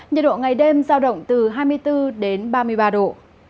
nhiệt độ ngày đêm giao động từ hai mươi bốn đến ba mươi ba độ